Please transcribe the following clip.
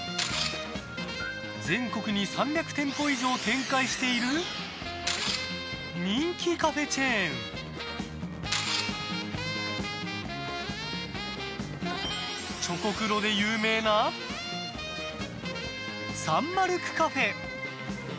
全国に３００店舗以上展開している人気カフェチェーンチョコクロで有名なサンマルクカフェ。